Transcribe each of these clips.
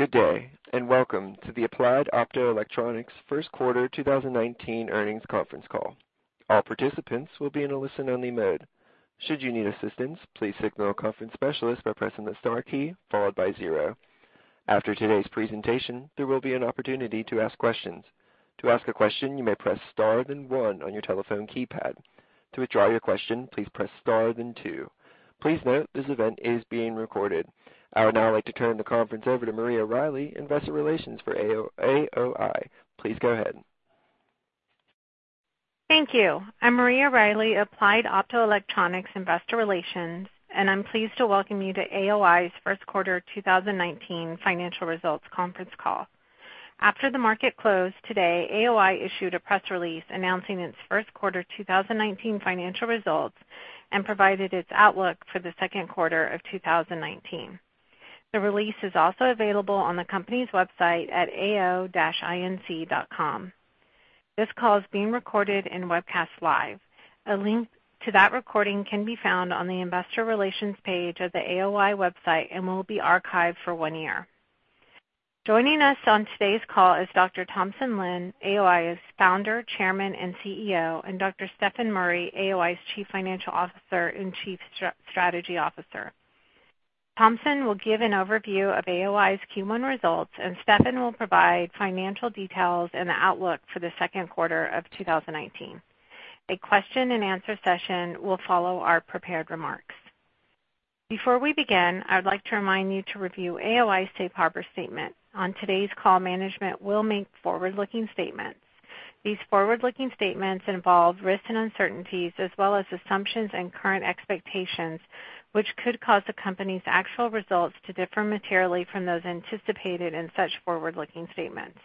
Good day, and welcome to the Applied Optoelectronics first quarter 2019 earnings conference call. All participants will be in a listen-only mode. Should you need assistance, please signal a conference specialist by pressing the star key followed by zero. After today's presentation, there will be an opportunity to ask questions. To ask a question, you may press star, then one on your telephone keypad. To withdraw your question, please press star, then two. Please note this event is being recorded. I would now like to turn the conference over to Maria Riley, investor relations for AOI. Please go ahead. Thank you. I'm Maria Riley, Applied Optoelectronics investor relations, and I'm pleased to welcome you to AOI's first quarter 2019 financial results conference call. After the market closed today, AOI issued a press release announcing its first quarter 2019 financial results and provided its outlook for the second quarter of 2019. The release is also available on the company's website at ao-inc.com. This call is being recorded and webcast live. A link to that recording can be found on the investor relations page of the AOI website and will be archived for one year. Joining us on today's call is Dr. Thompson Lin, AOI's founder, chairman, and CEO, and Dr. Stefan Murry, AOI's chief financial officer and chief strategy officer. Thompson will give an overview of AOI's Q1 results, and Stefan will provide financial details and the outlook for the second quarter of 2019. A question and answer session will follow our prepared remarks. Before we begin, I would like to remind you to review AOI's safe harbor statement. On today's call, management will make forward-looking statements. These forward-looking statements involve risks and uncertainties, as well as assumptions and current expectations, which could cause the company's actual results to differ materially from those anticipated in such forward-looking statements.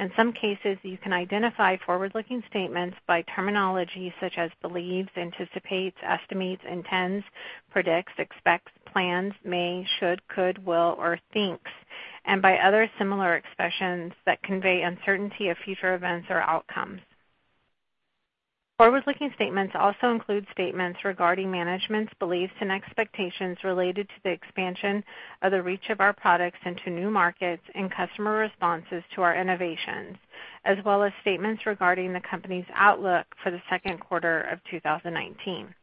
In some cases, you can identify forward-looking statements by terminology such as believes, anticipates, estimates, intends, predicts, expects, plans, may, should, could, will, or thinks, and by other similar expressions that convey uncertainty of future events or outcomes. Forward-looking statements also include statements regarding management's beliefs and expectations related to the expansion of the reach of our products into new markets and customer responses to our innovations, as well as statements regarding the company's outlook for the second quarter of 2019.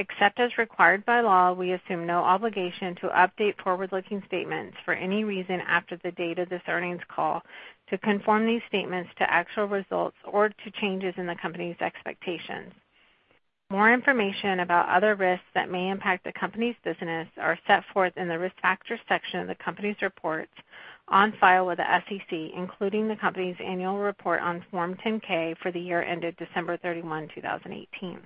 Except as required by law, we assume no obligation to update forward-looking statements for any reason after the date of this earnings call to conform these statements to actual results or to changes in the company's expectations. More information about other risks that may impact the company's business are set forth in the Risk Factors section of the company's reports on file with the SEC, including the company's annual report on Form 10-K for the year ended December 31, 2018.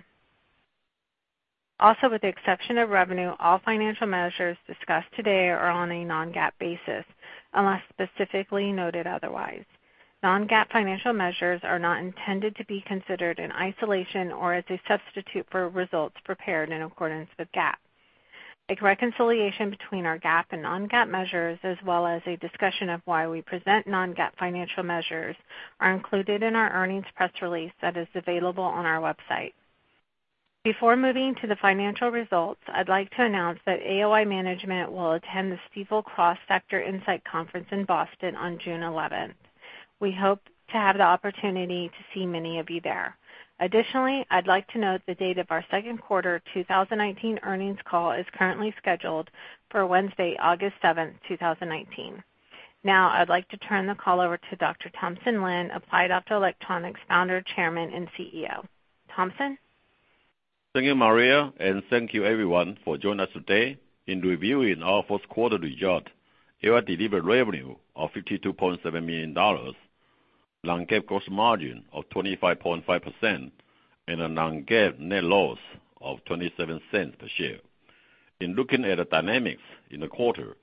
Also, with the exception of revenue, all financial measures discussed today are on a non-GAAP basis, unless specifically noted otherwise. Non-GAAP financial measures are not intended to be considered in isolation or as a substitute for results prepared in accordance with GAAP. A reconciliation between our GAAP and non-GAAP measures, as well as a discussion of why we present non-GAAP financial measures, are included in our earnings press release that is available on our website. Before moving to the financial results, I'd like to announce that AOI management will attend the Stifel Cross Sector Insight Conference in Boston on June 11th. We hope to have the opportunity to see many of you there. Additionally, I'd like to note the date of our second quarter 2019 earnings call is currently scheduled for Wednesday, August 7th, 2019. I'd like to turn the call over to Dr. Thompson Lin, Applied Optoelectronics founder, chairman, and CEO. Thompson? Thank you, Maria, thank you everyone for joining us today in reviewing our first quarter results. AOI delivered revenue of $52.7 million, non-GAAP gross margin of 25.5%, and a non-GAAP net loss of $0.27 per share. In looking at the dynamics in the quarter,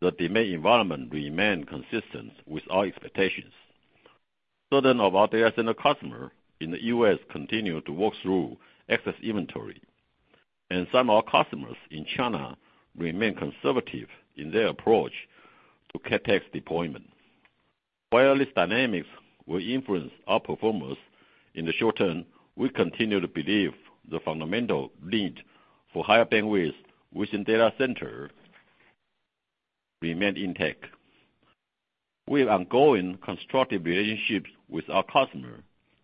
the demand environment remained consistent with our expectations. Certain of our data center customer in the U.S. continued to work through excess inventory, some of our customers in China remain conservative in their approach to CapEx deployment. While these dynamics will influence our performance in the short term, we continue to believe the fundamental need for higher bandwidth within data centers remain intact. We have ongoing constructive relationships with our customers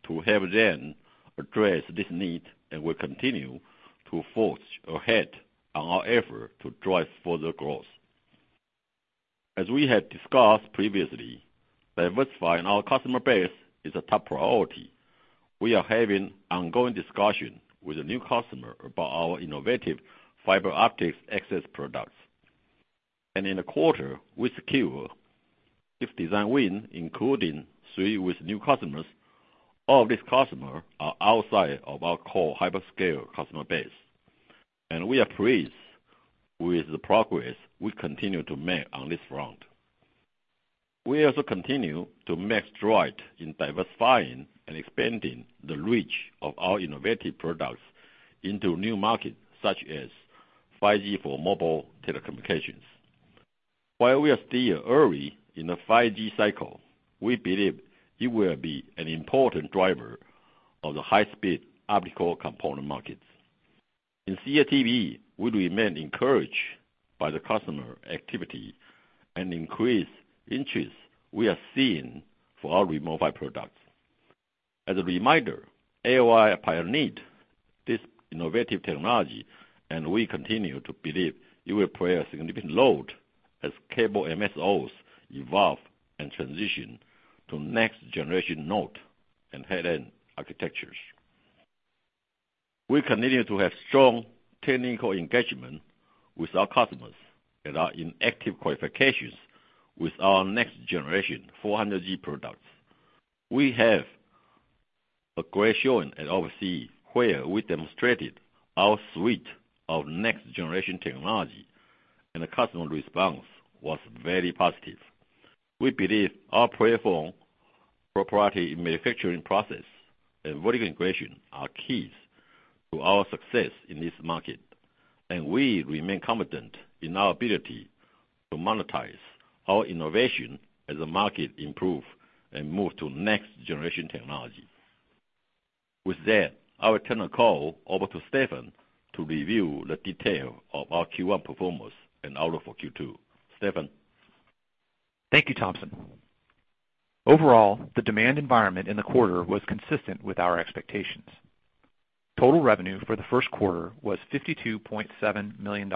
to help them address this need and will continue to forge ahead on our effort to drive further growth. As we have discussed previously, diversifying our customer base is a top priority. We are having ongoing discussions with a new customer about our innovative fiber optics access products. In the quarter, we secured 6 design wins, including 3 with new customers. All these customers are outside of our core hyperscale customer base, we are pleased with the progress we continue to make on this front. We also continue to make strides in diversifying and expanding the reach of our innovative products into new markets such as 5G for mobile telecommunications. While we are still early in the 5G cycle, we believe it will be an important driver of the high-speed optical component markets. In CATV, we remain encouraged by the customer activity and increased interest we are seeing for our RemotiPHY products. As a reminder, AOI pioneered this innovative technology, we continue to believe it will play a significant role as cable MSOs evolve and transition to next-generation node and head-end architectures. We continue to have strong technical engagement with our customers that are in active qualifications with our next-generation 400G products. We have a great showing at OFC where we demonstrated our suite of next-generation technology, the customer response was very positive. We believe our platform, proprietary manufacturing process, and vertical integration are keys to our success in this market, we remain confident in our ability to monetize our innovation as the market improves and moves to next-generation technology. With that, I will turn the call over to Stefan to review the detail of our Q1 performance and outlook for Q2. Stefan? Thank you, Thompson. Overall, the demand environment in the quarter was consistent with our expectations. Total revenue for the first quarter was $52.7 million,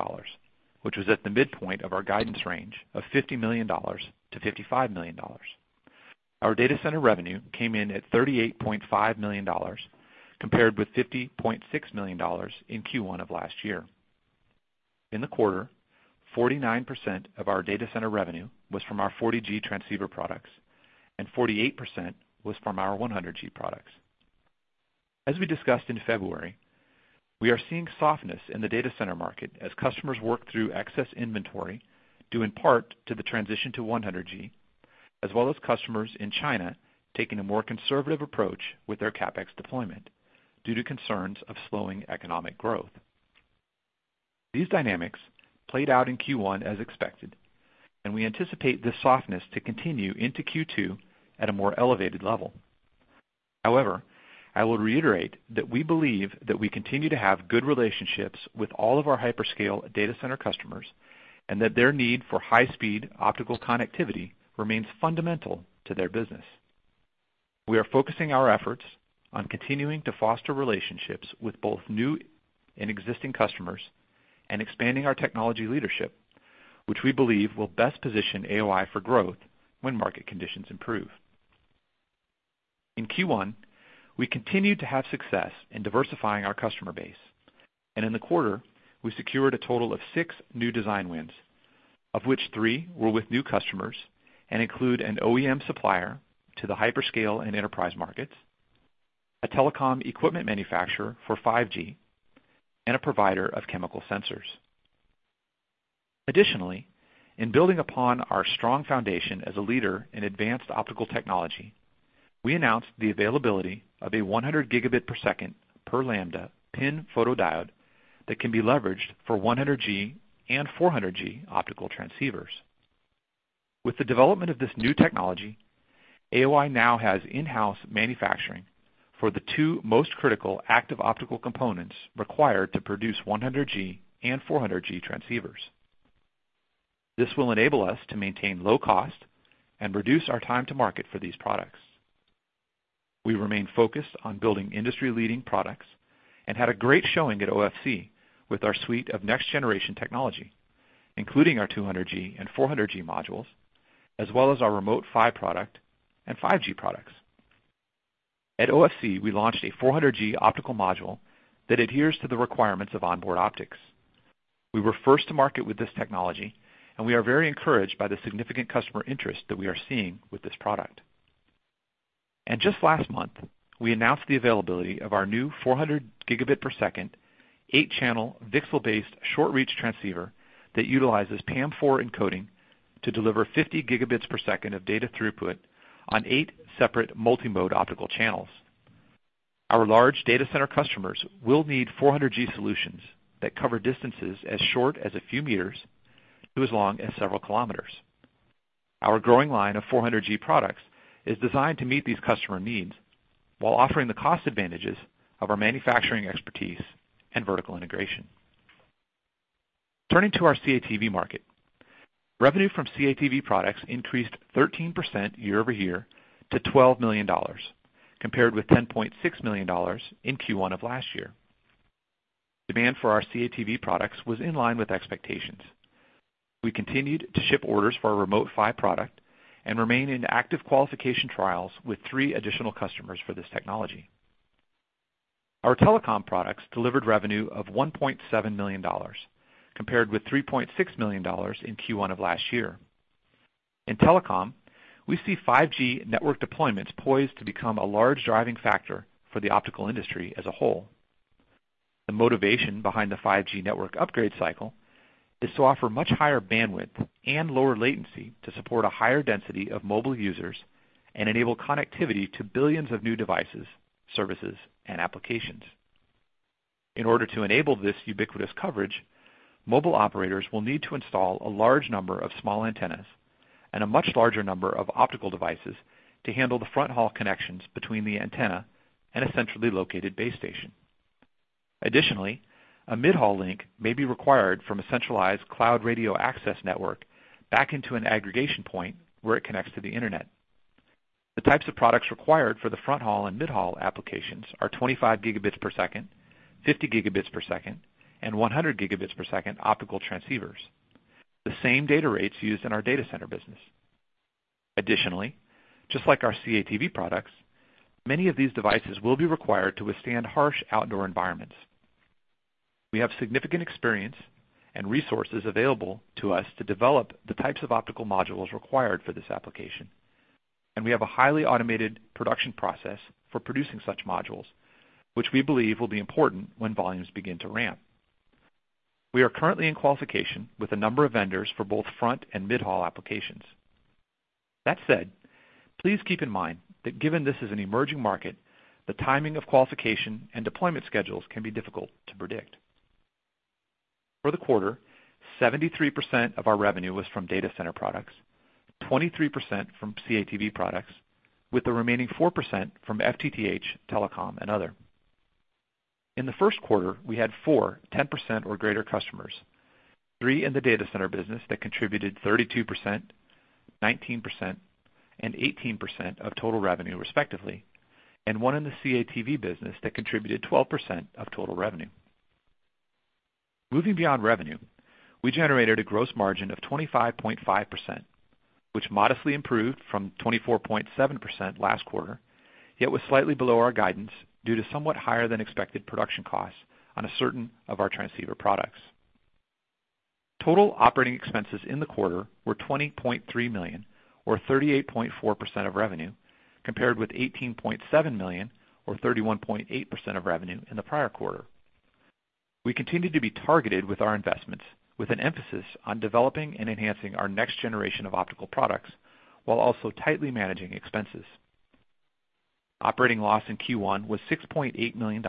which was at the midpoint of our guidance range of $50 million-$55 million. Our data center revenue came in at $38.5 million, compared with $50.6 million in Q1 of last year. In the quarter, 49% of our data center revenue was from our 40G transceiver products and 48% was from our 100G products. As we discussed in February, we are seeing softness in the data center market as customers work through excess inventory, due in part to the transition to 100G, as well as customers in China taking a more conservative approach with their CapEx deployment due to concerns of slowing economic growth. These dynamics played out in Q1 as expected, we anticipate this softness to continue into Q2 at a more elevated level. However, I will reiterate that we believe that we continue to have good relationships with all of our hyperscale data center customers, and that their need for high-speed optical connectivity remains fundamental to their business. We are focusing our efforts on continuing to foster relationships with both new and existing customers and expanding our technology leadership, which we believe will best position AOI for growth when market conditions improve. In Q1, we continued to have success in diversifying our customer base. In the quarter, we secured a total of six new design wins, of which three were with new customers and include an OEM supplier to the hyperscale and enterprise markets, a telecom equipment manufacturer for 5G, and a provider of chemical sensors. Additionally, in building upon our strong foundation as a leader in advanced optical technology, we announced the availability of a 100 gigabit per second per lambda PIN photodiode that can be leveraged for 100G and 400G optical transceivers. With the development of this new technology, AOI now has in-house manufacturing for the two most critical active optical components required to produce 100G and 400G transceivers. This will enable us to maintain low cost and reduce our time to market for these products. We remain focused on building industry-leading products and had a great showing at OFC with our suite of next-generation technology, including our 200G and 400G modules, as well as our RemotiPHY product and 5G products. At OFC, we launched a 400G optical module that adheres to the requirements of On-Board Optics. We were first to market with this technology, we are very encouraged by the significant customer interest that we are seeing with this product. Just last month, we announced the availability of our new 400 gigabit per second eight-channel VCSEL-based short-reach transceiver that utilizes PAM4 encoding to deliver 50 gigabits per second of data throughput on eight separate multi-mode optical channels. Our large data center customers will need 400G solutions that cover distances as short as a few meters to as long as several kilometers. Our growing line of 400G products is designed to meet these customer needs while offering the cost advantages of our manufacturing expertise and vertical integration. Turning to our CATV market. Revenue from CATV products increased 13% year-over-year to $12 million, compared with $10.6 million in Q1 of last year. Demand for our CATV products was in line with expectations. We continued to ship orders for our RemotiPHY product and remain in active qualification trials with three additional customers for this technology. Our telecom products delivered revenue of $1.7 million, compared with $3.6 million in Q1 of last year. In telecom, we see 5G network deployments poised to become a large driving factor for the optical industry as a whole. The motivation behind the 5G network upgrade cycle is to offer much higher bandwidth and lower latency to support a higher density of mobile users and enable connectivity to billions of new devices, services, and applications. In order to enable this ubiquitous coverage, mobile operators will need to install a large number of small antennas. A much larger number of optical devices to handle the front-haul connections between the antenna and a centrally located base station. Additionally, a mid-haul link may be required from a centralized Cloud Radio Access Network back into an aggregation point where it connects to the internet. The types of products required for the front-haul and mid-haul applications are 25 gigabits per second, 50 gigabits per second, and 100 gigabits per second optical transceivers, the same data rates used in our data center business. Additionally, just like our CATV products, many of these devices will be required to withstand harsh outdoor environments. We have significant experience and resources available to us to develop the types of optical modules required for this application, and we have a highly automated production process for producing such modules, which we believe will be important when volumes begin to ramp. We are currently in qualification with a number of vendors for both front and mid-haul applications. That said, please keep in mind that given this is an emerging market, the timing of qualification and deployment schedules can be difficult to predict. For the quarter, 73% of our revenue was from data center products, 23% from CATV products, with the remaining 4% from FTTH, telecom, and other. In the first quarter, we had four 10% or greater customers, three in the data center business that contributed 32%, 19% and 18% of total revenue respectively, and one in the CATV business that contributed 12% of total revenue. Moving beyond revenue, we generated a gross margin of 25.5%, which modestly improved from 24.7% last quarter. It was slightly below our guidance due to somewhat higher than expected production costs on a certain of our transceiver products. Total operating expenses in the quarter were $20.3 million or 38.4% of revenue, compared with $18.7 million or 31.8% of revenue in the prior quarter. We continued to be targeted with our investments, with an emphasis on developing and enhancing our next generation of optical products while also tightly managing expenses. Operating loss in Q1 was $6.8 million,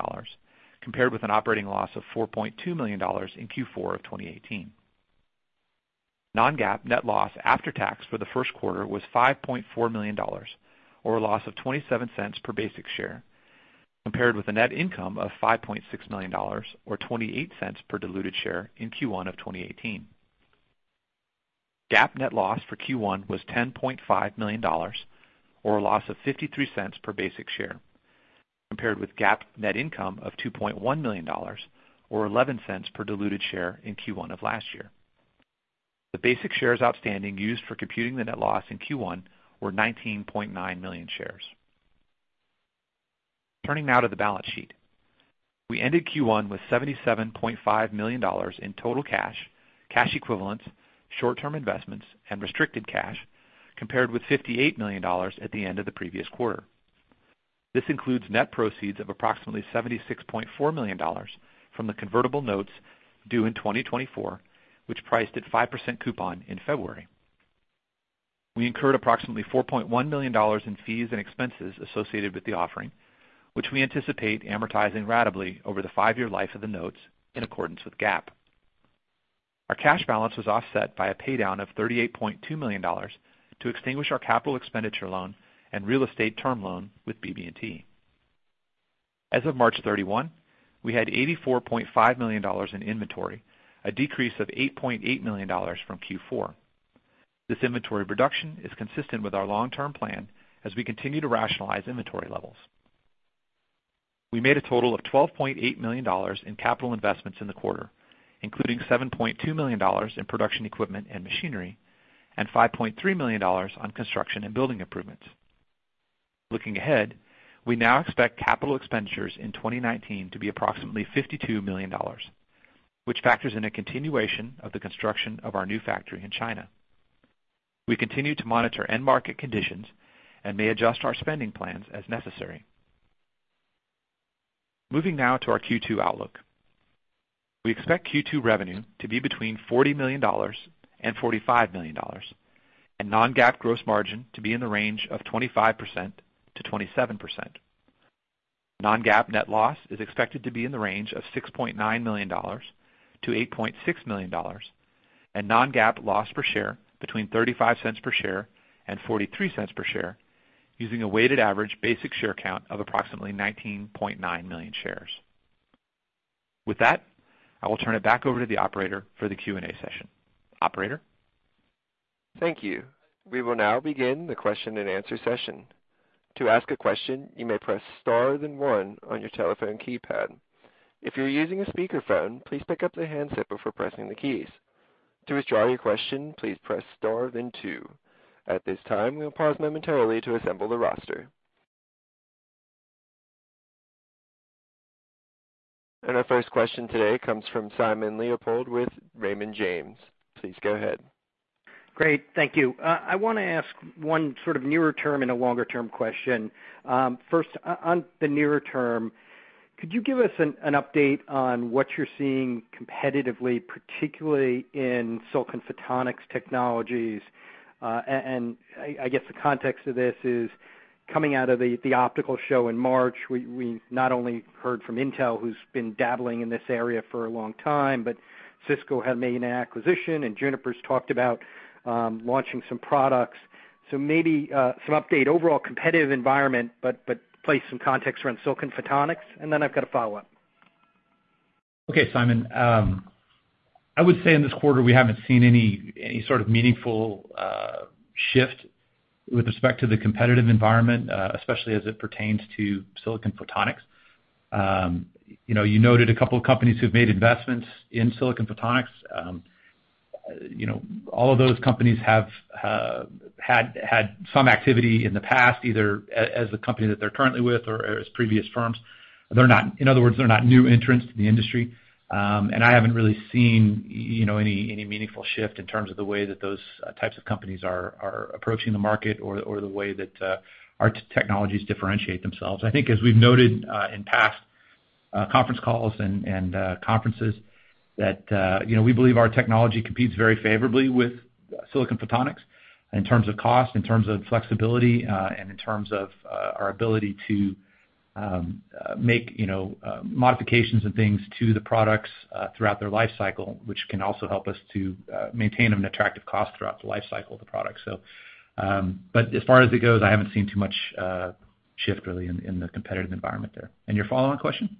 compared with an operating loss of $4.2 million in Q4 of 2018. Non-GAAP net loss after tax for the first quarter was $5.4 million, or a loss of $0.27 per basic share, compared with a net income of $5.6 million or $0.28 per diluted share in Q1 of 2018. GAAP net loss for Q1 was $10.5 million, or a loss of $0.53 per basic share, compared with GAAP net income of $2.1 million or $0.11 per diluted share in Q1 of last year. The basic shares outstanding used for computing the net loss in Q1 were 19.9 million shares. Turning now to the balance sheet. We ended Q1 with $77.5 million in total cash equivalents, short-term investments, and restricted cash, compared with $58 million at the end of the previous quarter. This includes net proceeds of approximately $76.4 million from the convertible notes due in 2024, which priced at 5% coupon in February. We incurred approximately $4.1 million in fees and expenses associated with the offering, which we anticipate amortizing ratably over the five-year life of the notes in accordance with GAAP. Our cash balance was offset by a paydown of $38.2 million to extinguish our capital expenditure loan and real estate term loan with BB&T. As of March 31, we had $84.5 million in inventory, a decrease of $8.8 million from Q4. This inventory reduction is consistent with our long-term plan as we continue to rationalize inventory levels. We made a total of $12.8 million in capital investments in the quarter, including $7.2 million in production equipment and machinery, and $5.3 million on construction and building improvements. Looking ahead, we now expect capital expenditures in 2019 to be approximately $52 million, which factors in a continuation of the construction of our new factory in China. We continue to monitor end market conditions and may adjust our spending plans as necessary. Moving now to our Q2 outlook. We expect Q2 revenue to be between $40 million and $45 million, and non-GAAP gross margin to be in the range of 25%-27%. Non-GAAP net loss is expected to be in the range of $6.9 million to $8.6 million, and non-GAAP loss per share between $0.35 per share and $0.43 per share, using a weighted average basic share count of approximately 19.9 million shares. With that, I will turn it back over to the operator for the Q&A session. Operator? Thank you. We will now begin the question and answer session. To ask a question, you may press star then one on your telephone keypad. If you are using a speakerphone, please pick up the handset before pressing the keys. To withdraw your question, please press star then two. At this time, we will pause momentarily to assemble the roster. Our first question today comes from Simon Leopold with Raymond James. Please go ahead. Great. Thank you. I want to ask one sort of nearer-term and a longer-term question. First, on the nearer term, could you give us an update on what you're seeing competitively, particularly in silicon photonics technologies? I guess the context of this is. Coming out of the optical show in March, we not only heard from Intel, who's been dabbling in this area for a long time, but Cisco had made an acquisition, and Juniper's talked about launching some products. Maybe some update, overall competitive environment, but place some context around silicon photonics. I've got a follow-up. Okay, Simon. I would say in this quarter, we haven't seen any sort of meaningful shift with respect to the competitive environment, especially as it pertains to silicon photonics. You noted a couple of companies who've made investments in silicon photonics. All of those companies have had some activity in the past, either as the company that they're currently with or as previous firms. In other words, they're not new entrants to the industry. I haven't really seen any meaningful shift in terms of the way that those types of companies are approaching the market or the way that our technologies differentiate themselves. I think as we've noted in past conference calls and conferences, that we believe our technology competes very favorably with silicon photonics in terms of cost, in terms of flexibility, and in terms of our ability to make modifications and things to the products throughout their life cycle, which can also help us to maintain an attractive cost throughout the life cycle of the product. As far as it goes, I haven't seen too much shift, really, in the competitive environment there. Your follow-on question?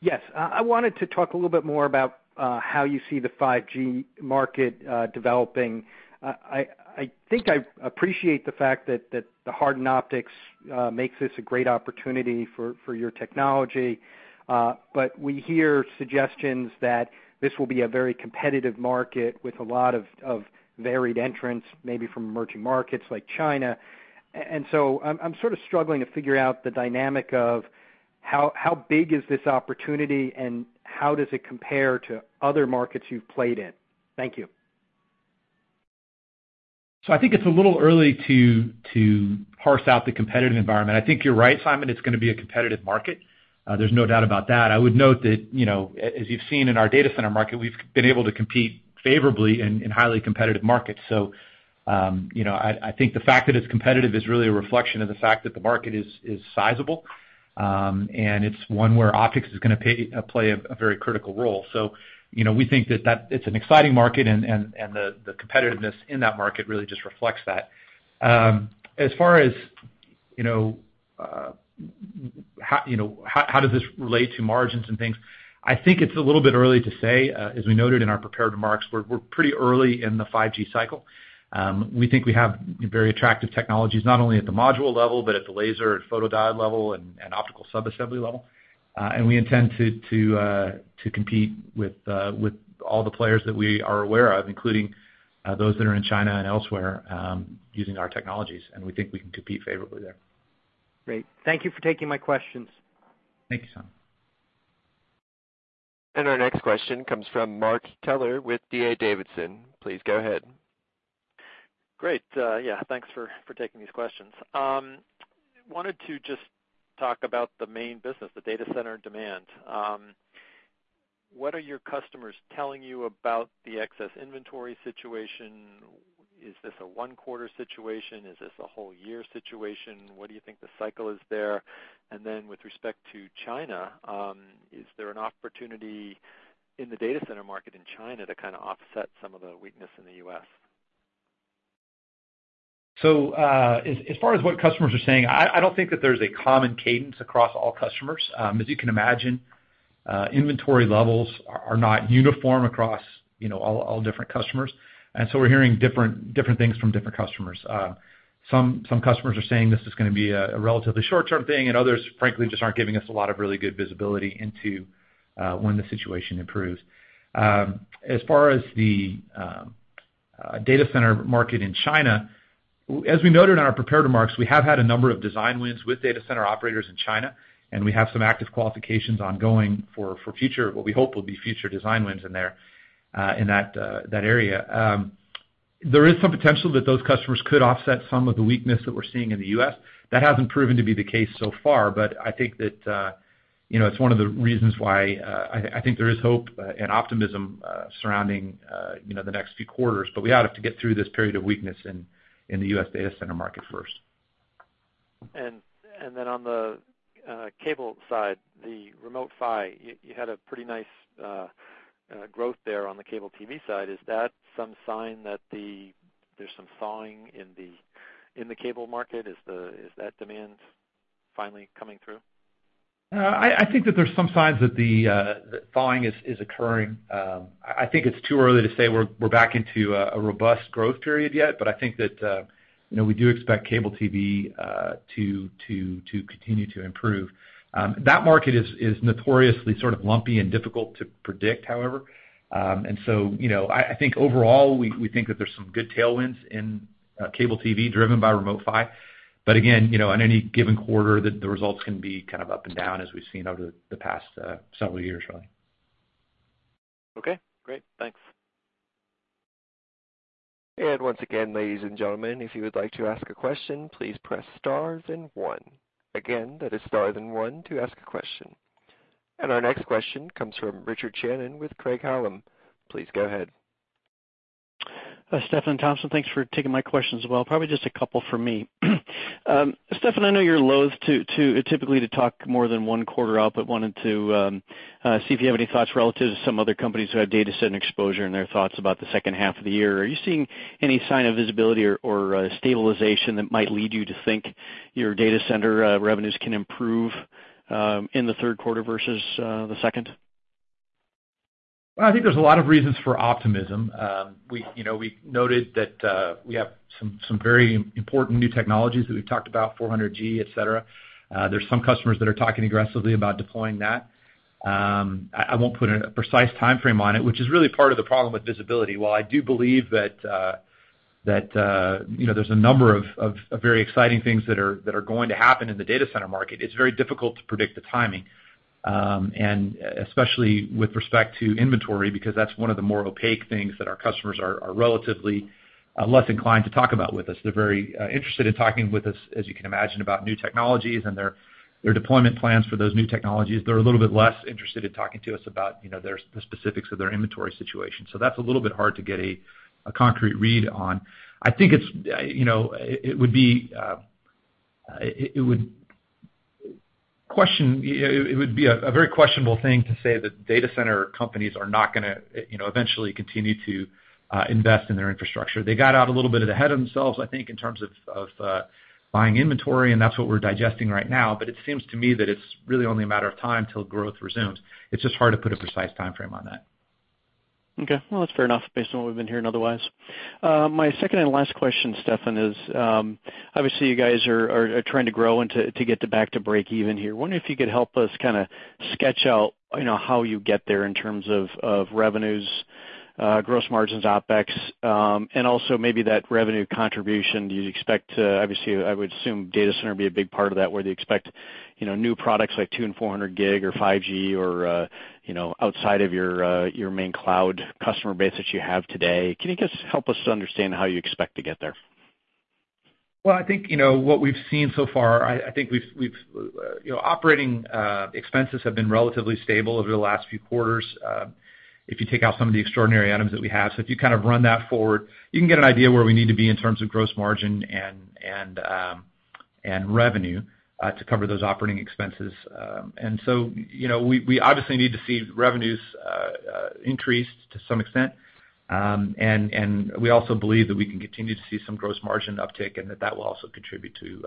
Yes. I wanted to talk a little bit more about how you see the 5G market developing. I think I appreciate the fact that the hardened optics makes this a great opportunity for your technology. We hear suggestions that this will be a very competitive market with a lot of varied entrants, maybe from emerging markets like China. I'm sort of struggling to figure out the dynamic of how big is this opportunity, and how does it compare to other markets you've played in. Thank you. I think it's a little early to parse out the competitive environment. I think you're right, Simon, it's going to be a competitive market. There's no doubt about that. I would note that, as you've seen in our data center market, we've been able to compete favorably in highly competitive markets. I think the fact that it's competitive is really a reflection of the fact that the market is sizable. It's one where optics is going to play a very critical role. We think that it's an exciting market, and the competitiveness in that market really just reflects that. As far as how does this relate to margins and things, I think it's a little bit early to say. As we noted in our prepared remarks, we're pretty early in the 5G cycle. We think we have very attractive technologies, not only at the module level, but at the laser, at photodiode level, and optical sub-assembly level. We intend to compete with all the players that we are aware of, including those that are in China and elsewhere, using our technologies, and we think we can compete favorably there. Great. Thank you for taking my questions. Thank you, Simon. Our next question comes from Mark Kelleher with D.A. Davidson. Please go ahead. Great. Thanks for taking these questions. I wanted to just talk about the main business, the data center demand. What are your customers telling you about the excess inventory situation? Is this a one quarter situation? Is this a whole year situation? What do you think the cycle is there? With respect to China, is there an opportunity in the data center market in China to kind of offset some of the weakness in the U.S.? As far as what customers are saying, I don't think that there's a common cadence across all customers. As you can imagine, inventory levels are not uniform across all different customers. We're hearing different things from different customers. Some customers are saying this is going to be a relatively short-term thing, and others, frankly, just aren't giving us a lot of really good visibility into when the situation improves. As far as the data center market in China, as we noted in our prepared remarks, we have had a number of design wins with data center operators in China, and we have some active qualifications ongoing for what we hope will be future design wins in there, in that area. There is some potential that those customers could offset some of the weakness that we're seeing in the U.S. That hasn't proven to be the case so far, I think that it's one of the reasons why I think there is hope and optimism surrounding the next few quarters. We ought to have to get through this period of weakness in the U.S. data center market first. On the cable side, the Remote PHY, you had a pretty nice growth there on the cable TV side. Is that some sign that there's some thawing in the cable market? Is that demand finally coming through? I think that there's some signs that thawing is occurring. I think it's too early to say we're back into a robust growth period yet, but I think that we do expect cable TV to continue to improve. That market is notoriously sort of lumpy and difficult to predict, however. So I think overall, we think that there's some good tailwinds in cable TV driven by Remote PHY. But again, in any given quarter, the results can be kind of up and down as we've seen over the past several years, really. Okay, great. Thanks. Once again ladies and gentlemen, if you would like to ask a question, please press star then one. Again, that is star then one to ask a question. Our next question comes from Richard Shannon with Craig-Hallum. Please go ahead. Stefan, Thompson, thanks for taking my questions as well. Probably just a couple from me. Stefan, I know you're loathe typically to talk more than one quarter up, but wanted to see if you have any thoughts relative to some other companies who have data center exposure and their thoughts about the second half of the year. Are you seeing any sign of visibility or stabilization that might lead you to think your data center revenues can improve in the third quarter versus the second? Well, I think there's a lot of reasons for optimism. We noted that we have some very important new technologies that we've talked about, 400G, et cetera. There's some customers that are talking aggressively about deploying that. I won't put a precise timeframe on it, which is really part of the problem with visibility. While I do believe that there's a number of very exciting things that are going to happen in the data center market, it's very difficult to predict the timing. Especially with respect to inventory, because that's one of the more opaque things that our customers are relatively less inclined to talk about with us. They're very interested in talking with us, as you can imagine, about new technologies and their deployment plans for those new technologies. They're a little bit less interested in talking to us about the specifics of their inventory situation. That's a little bit hard to get a concrete read on. I think it would be a very questionable thing to say that data center companies are not going to eventually continue to invest in their infrastructure. They got out a little bit ahead of themselves, I think, in terms of buying inventory, and that's what we're digesting right now. It seems to me that it's really only a matter of time till growth resumes. It's just hard to put a precise timeframe on that. Okay. Well, that's fair enough based on what we've been hearing otherwise. My second and last question, Stefan, is obviously you guys are trying to grow and to get back to break even here. Wondering if you could help us sketch out how you get there in terms of revenues, gross margins, OpEx, and also maybe that revenue contribution you expect. Obviously, I would assume data center would be a big part of that, where they expect new products like 200 and 400 gig or 5G or outside of your main cloud customer base that you have today. Can you just help us understand how you expect to get there? I think what we've seen so far, operating expenses have been relatively stable over the last few quarters. If you take out some of the extraordinary items that we have, if you run that forward, you can get an idea where we need to be in terms of gross margin and revenue to cover those operating expenses. We obviously need to see revenues increase to some extent. We also believe that we can continue to see some gross margin uptick and that that will also contribute to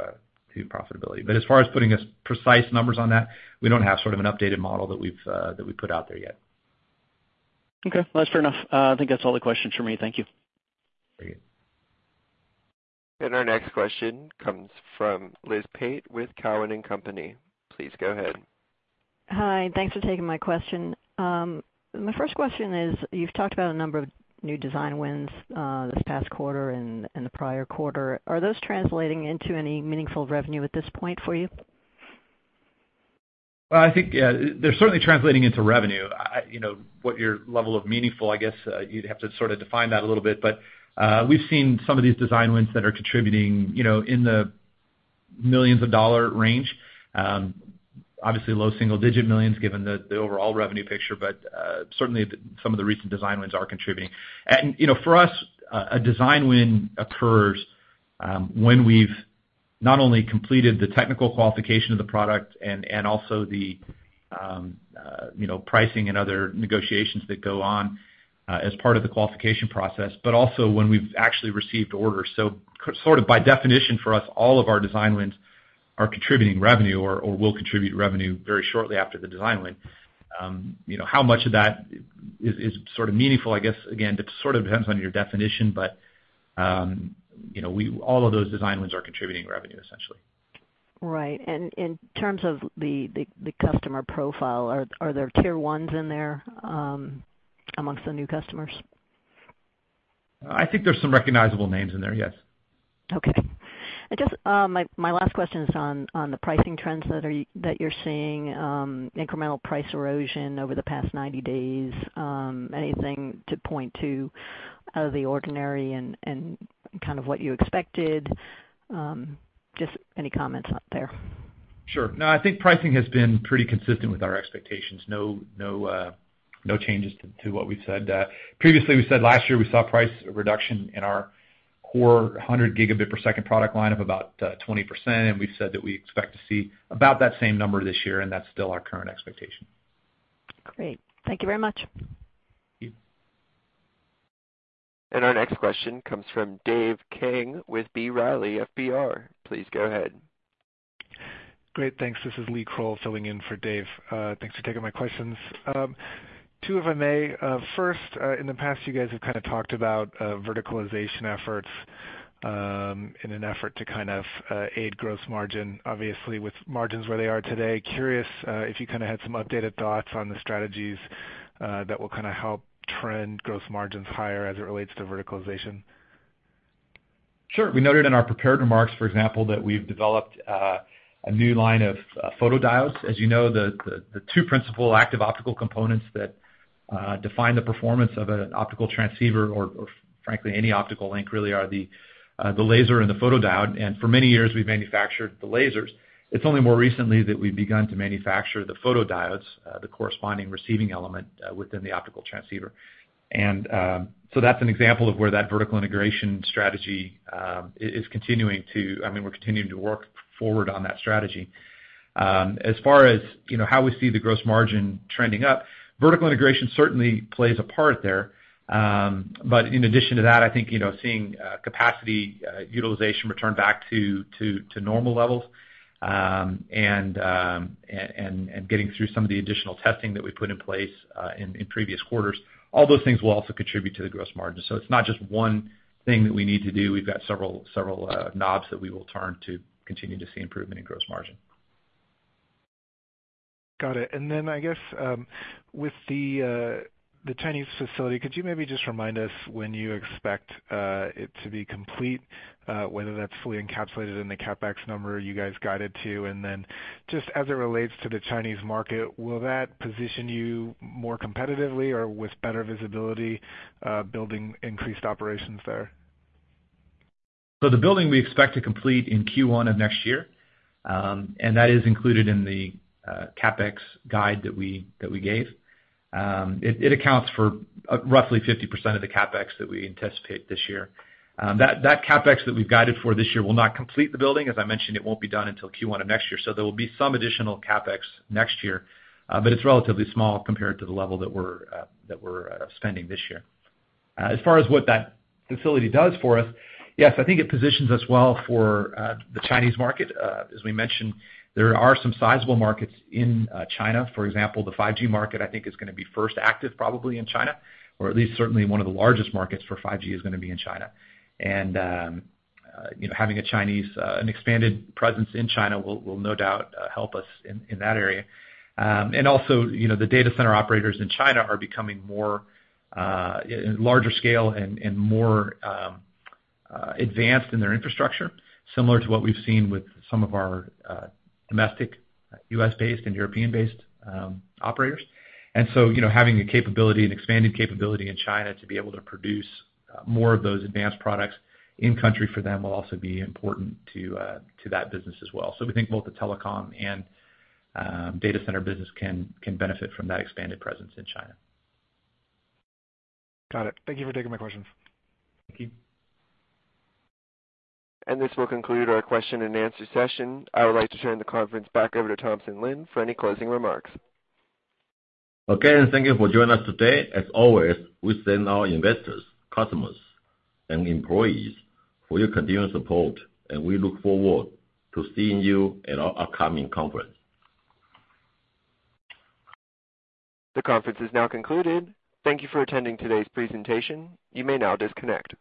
profitability. As far as putting precise numbers on that, we don't have sort of an updated model that we've put out there yet. That's fair enough. I think that's all the questions from me. Thank you. Thank you. Our next question comes from Liz Pate with Cowen and Company. Please go ahead. Hi, thanks for taking my question. My first question is, you've talked about a number of new design wins this past quarter and the prior quarter. Are those translating into any meaningful revenue at this point for you? Well, I think, yeah, they're certainly translating into revenue. What your level of meaningful, I guess, you'd have to sort of define that a little bit. We've seen some of these design wins that are contributing in the millions of dollar range. Obviously low single-digit millions given the overall revenue picture. Certainly some of the recent design wins are contributing. For us, a design win occurs when we've not only completed the technical qualification of the product and also the pricing and other negotiations that go on as part of the qualification process, but also when we've actually received orders. Sort of by definition for us, all of our design wins are contributing revenue or will contribute revenue very shortly after the design win. How much of that is sort of meaningful, I guess, again, it sort of depends on your definition. All of those design wins are contributing revenue, essentially. Right. In terms of the customer profile, are there tier 1s in there amongst the new customers? I think there's some recognizable names in there, yes. Okay. My last question is on the pricing trends that you're seeing, incremental price erosion over the past 90 days. Anything to point to out of the ordinary and kind of what you expected? Just any comments on there. Sure. No, I think pricing has been pretty consistent with our expectations. No changes to what we've said. Previously, we said last year we saw price reduction in our core 100 gigabit per second product line of about 20%, and we've said that we expect to see about that same number this year, and that's still our current expectation. Great. Thank you very much. Thank you. Our next question comes from Dave Kang with B. Riley FBR. Please go ahead. Great. Thanks. This is Lee Croal filling in for Dave. Thanks for taking my questions. Two, if I may. First, in the past, you guys have kind of talked about verticalization efforts in an effort to kind of aid gross margin. Obviously, with margins where they are today, curious if you had some updated thoughts on the strategies that will help trend gross margins higher as it relates to verticalization. Sure. We noted in our prepared remarks, for example, that we've developed a new line of photodiodes. As you know, the two principal active optical components that define the performance of an optical transceiver, or frankly, any optical link, really, are the laser and the photodiode. For many years, we've manufactured the lasers. It's only more recently that we've begun to manufacture the photodiodes, the corresponding receiving element within the optical transceiver. So that's an example of where that vertical integration strategy is continuing to work forward on that strategy. As far as how we see the gross margin trending up, vertical integration certainly plays a part there. In addition to that, I think, seeing capacity utilization return back to normal levels, and getting through some of the additional testing that we put in place in previous quarters. All those things will also contribute to the gross margin. It's not just one thing that we need to do. We've got several knobs that we will turn to continue to see improvement in gross margin. Got it. I guess, with the Chinese facility, could you maybe just remind us when you expect it to be complete, whether that's fully encapsulated in the CapEx number you guys guided to? Just as it relates to the Chinese market, will that position you more competitively or with better visibility, building increased operations there? The building we expect to complete in Q1 of next year, and that is included in the CapEx guide that we gave. It accounts for roughly 50% of the CapEx that we anticipate this year. That CapEx that we've guided for this year will not complete the building. As I mentioned, it won't be done until Q1 of next year. There will be some additional CapEx next year. It's relatively small compared to the level that we're spending this year. As far as what that facility does for us, yes, I think it positions us well for the Chinese market. As we mentioned, there are some sizable markets in China. For example, the 5G market, I think, is going to be first active probably in China, or at least certainly one of the largest markets for 5G is going to be in China. Having an expanded presence in China will no doubt help us in that area. Also, the data center operators in China are becoming more larger scale and more advanced in their infrastructure, similar to what we've seen with some of our domestic U.S.-based and European-based operators. Having a capability, an expanded capability in China to be able to produce more of those advanced products in-country for them will also be important to that business as well. We think both the telecom and data center business can benefit from that expanded presence in China. Got it. Thank you for taking my questions. Thank you. This will conclude our question and answer session. I would like to turn the conference back over to Thompson Lin for any closing remarks. Again, thank you for joining us today. As always, we thank our investors, customers, and employees for your continued support, and we look forward to seeing you at our upcoming conference. The conference is now concluded. Thank you for attending today's presentation. You may now disconnect.